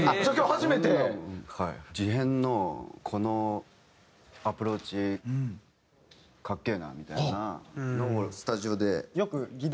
事変のこのアプローチかっけえなみたいなのをスタジオで。